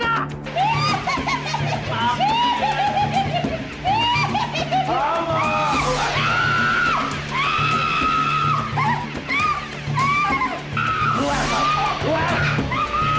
kita menangkap mereka dari sini